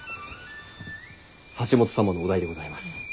橋本様のお代でございます。